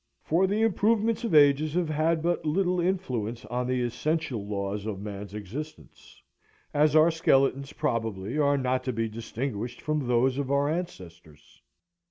For the improvements of ages have had but little influence on the essential laws of man's existence; as our skeletons, probably, are not to be distinguished from those of our ancestors.